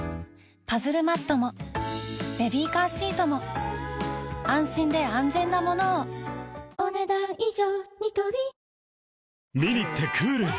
パズルマットもベビーカーシートも安心で安全なものをお、ねだん以上。